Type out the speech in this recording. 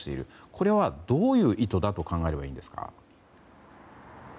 これはどういう意図だと考えればいいんですか？